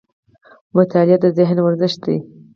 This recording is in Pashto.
مطالعه د ذهن ورزش دی